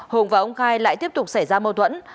hùng và ông khai lại tiếp tục xảy ra mâu thuẫn